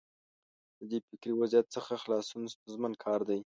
له دې فکري وضعیت څخه خلاصون ستونزمن کار دی.